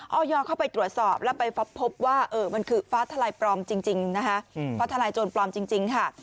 เอาญี่นเข้าไปตรวจสอบแล้วมันไปพบว่ามันคือฟ้าทะลายโจรปลอมจริงนะฮะ